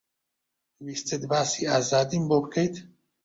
ویستت باسی ئازادیم بۆ بکەیت؟